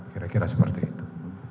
kira kira seperti itu